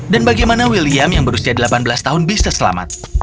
dan bagaimana william yang berusia delapan belas tahun bisa selamat